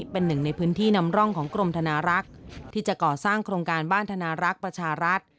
เป็นหนึ่งในพื้นที่นำร่องของกรมธนารักษ์ที่จะก่อสร้างโครงการบ้านธนารักษ์ประชารัฐ